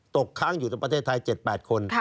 ค้างอยู่ในประเทศไทย๗๘คน